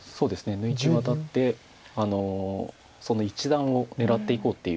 抜いてワタってその一団を狙っていこうっていう。